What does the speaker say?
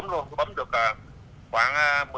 rồi tôi thấy nó đậu